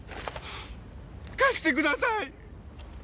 貸してください！